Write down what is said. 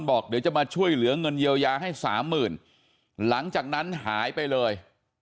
บอกเดี๋ยวจะมาช่วยเหลือเงินเยียวยาให้สามหมื่นหลังจากนั้นหายไปเลย